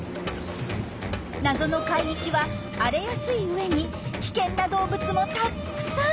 「謎の海域」は荒れやすい上に危険な動物もたくさん！